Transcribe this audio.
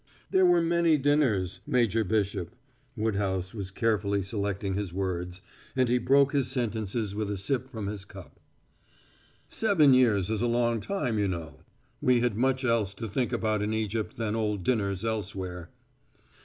"There were many dinners, Major Bishop." Woodhouse was carefully selecting his words, and he broke his sentences with a sip from his cup. "Seven years is a long time, you know. We had much else to think about in Egypt than old dinners elsewhere."